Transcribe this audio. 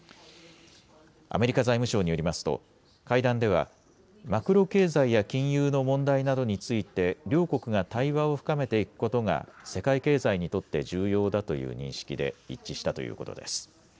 アメリカ財務省によりますと会談ではマクロ経済や金融の問題などについて両国が対話を深めていくことが世界経済にとって重要だという認識で一致したということです。